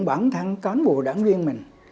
bản thân cán bộ đảng viên mình